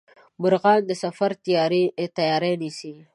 مرغان د سفر تیاري نیسي